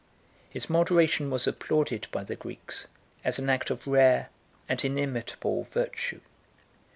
His moderation was applauded by the Greeks as an act of rare and inimitable virtue.